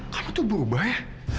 kamu tuh berubah ya